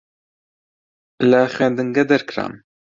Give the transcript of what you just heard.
لە خوێندنگە دەرکرام.